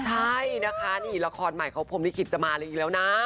ใช่นะคะนี่ละครใหม่เขาพรมลิขิตจะมาอะไรอีกแล้วนะ